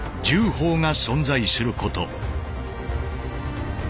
法が存在すること。